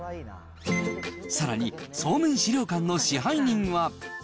さらに、そうめん資料館の支配人は。